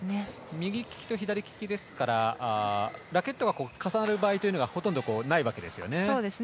右利きと左利きですからラケットが重なる場合というのがほとんどないわけですね。